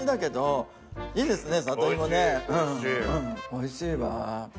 おいしいわ。